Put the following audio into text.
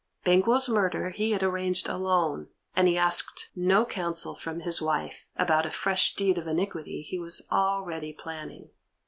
Banquo's murder he had arranged alone, and he asked no counsel from his wife about a fresh deed of iniquity he was already planning.